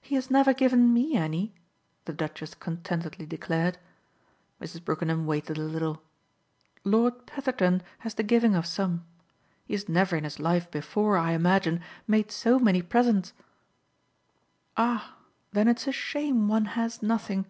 "He has never given ME any," the Duchess contentedly declared. Mrs. Brookenham waited a little. "Lord Petherton has the giving of some. He has never in his life before, I imagine, made so many presents." "Ah then it's a shame one has nothing!"